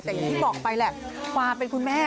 แต่อย่างที่บอกไปแหละความเป็นคุณแม่